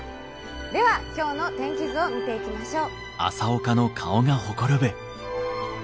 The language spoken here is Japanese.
では今日の天気図を見ていきましょう。